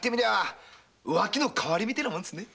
浮気の代わりみたいなもんですね。